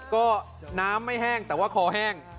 ก็น้ำไม่แห้งแต่ว่าคอแห้ง